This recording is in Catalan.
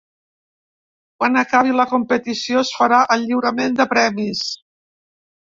Quan acabi la competició es farà el lliurament de premis.